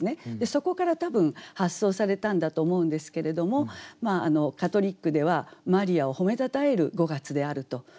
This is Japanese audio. そこから多分発想されたんだと思うんですけれどもカトリックではマリアを褒めたたえる５月であると。